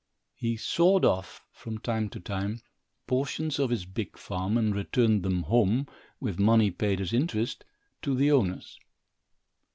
He sawed off, from time to time, portions of his big farm, and returned them home, with money paid as interest, to the owners.